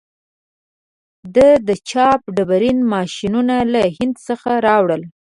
ده د چاپ ډبرین ماشینونه له هند څخه راوړل.